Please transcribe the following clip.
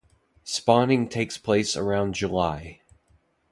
Spawning takes place around July.